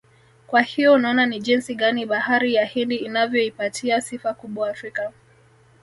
Kwa hiyo unaona ni jinsi gani bahari ya Hindi inavyoipatia sifa kubwa Afrika